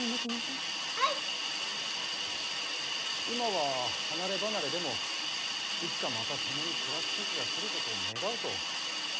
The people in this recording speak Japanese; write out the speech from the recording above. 今は離れ離れでもいつかまた共に暮らす時が来ることを願うと。